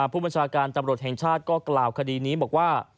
ผู้บัญชาการตำรวจแห่งชาติก็กล่าวคดีนี้บอกว่า